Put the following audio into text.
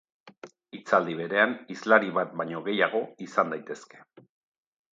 Hitzaldi berean hizlari bat baino gehiago izan daitezke.